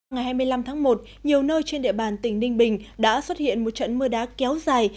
ngày hai mươi năm tháng một nhiều nơi trên địa bàn tỉnh ninh bình đã xuất hiện một trận mưa đá kéo dài